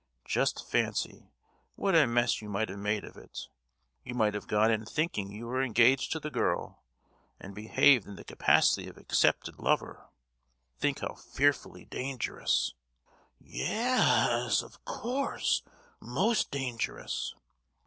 Just fancy, what a mess you might have made of it! You might have gone in thinking you were engaged to the girl, and behaved in the capacity of accepted lover. Think how fearfully dangerous——." "Ye—yes, of course; most dangerous!"